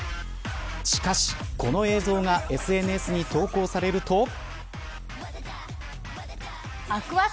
しかし、この映像がＳＮＳに投稿されると。